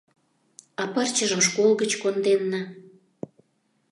— А пырчыжым школ гыч конденна.